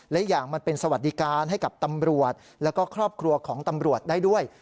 และอีกอย่างมันเป็นสวัสดิการให้กับตำรวจแล้วก็ครอบครัวของตำรวจได้ด้วย